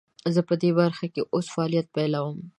زه پدي برخه کې اوس فعالیت پیلوم.